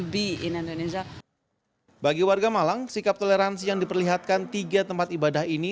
bagi warga malang sikap toleransi yang diperlihatkan tiga tempat ibadah ini